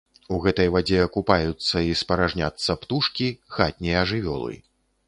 У гэтай вадзе купаюцца і спаражняцца птушкі, хатнія жывёлы.